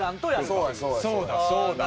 そうだそうだ。